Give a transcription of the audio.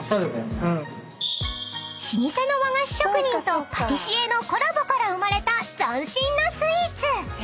［老舗の和菓子職人とパティシエのコラボから生まれた斬新なスイーツ］